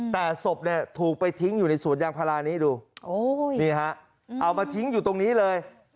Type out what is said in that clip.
แต่ศพเนี่ยถูกไปทิ้งอยู่ในสวนยางพารานี้ดูนี่ฮะเอามาทิ้งอยู่ตรงนี้เลย